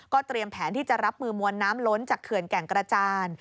เตรียมแผนที่จะรับมือมวลน้ำล้นจากเขื่อนแก่งกระจาน